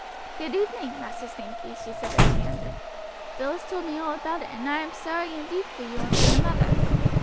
"Good evening! Master Sankey," she said as she entered. "Bill has told me all about it, and I am sorry indeed for you and for your mother.